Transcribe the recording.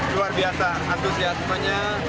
luar biasa antusias semuanya